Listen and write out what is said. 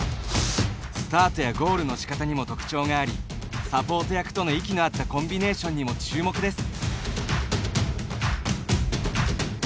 スタートやゴールのしかたにも特徴がありサポート役との息の合ったコンビネーションにも注目です。